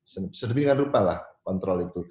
sedemikian rupalah kontrol itu